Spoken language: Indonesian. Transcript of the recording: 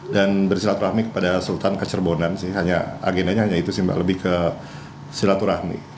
dan bersilaturahmi kepada sultan kacerbonan sih hanya agenanya hanya itu sih mbak lebih ke silaturahmi